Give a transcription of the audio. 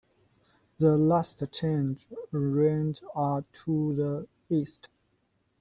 The Last Chance Range are to the east.